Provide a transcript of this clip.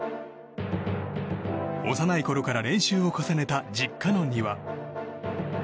幼いころから練習を重ねた実家の庭。